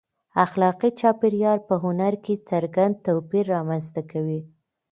اخلاقي چاپېریال په هنر کې څرګند توپیر رامنځته کوي.